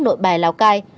nội bài lào cai